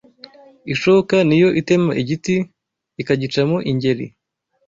Ishoka Niyo itema igiti ikagicamo ingeri